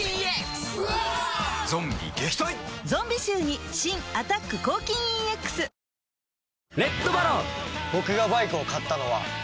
ゾンビ臭に新「アタック抗菌ＥＸ」世界初！